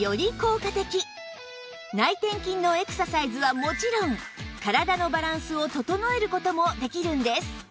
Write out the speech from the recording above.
内転筋のエクササイズはもちろん体のバランスを整える事もできるんです